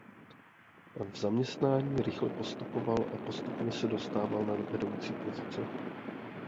V zaměstnání rychle postupoval a postupně se dostával na vedoucí pozice.